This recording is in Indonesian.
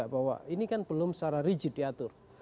bahwa ini kan belum secara rigid diatur